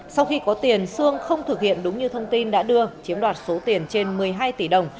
sau khi có tiền sương không thực hiện đúng như thông tin đã đưa chiếm đoạt số tiền trên một mươi hai tỷ đồng